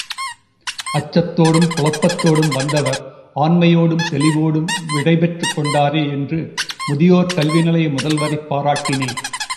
அச்சத்தோடும் குழப்பத்தோடும் வந்தவர் ஆண்மையோடும் தெளிவோடும் விடை பெற்றுக் கொண்டாரே என்று முதியோர் கல்வி நிலைய முதல்வரைப் பாராட்டினேன்.